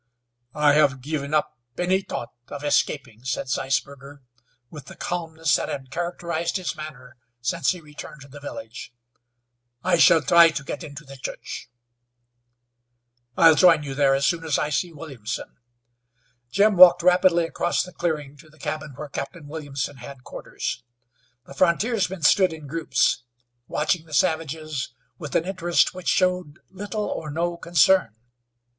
"I have given up any thought of escaping," said Zeisberger, with the calmness that had characterized his manner since he returned to the village. "I shall try to get into the church." "I'll join you there as soon as I see Williamson." Jim walked rapidly across the clearing to the cabin where Captain Williamson had quarters. The frontiersmen stood in groups, watching the savages with an interest which showed little or no concern.